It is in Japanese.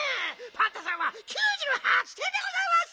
パンタさんは９８てんでございます！